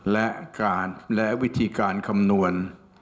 และวิธีการคำนวณ